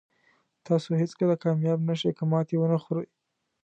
تاسو هېڅکله کامیاب نه شئ که ماتې ونه خورئ.